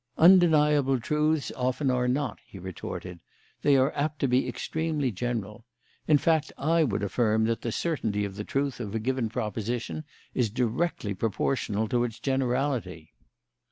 "Undeniable truths often are not," he retorted. "They are apt to be extremely general. In fact, I would affirm that the certainty of the truth of a given proposition is directly proportional to its generality."